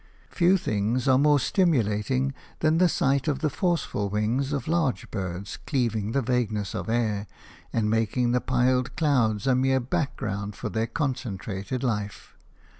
Few things are more stimulating than the sight of the forceful wings of large birds cleaving the vagueness of air and making the piled clouds a mere background for their concentrated life.